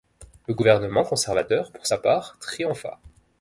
Le gouvernement conservateur, pour sa part, triompha.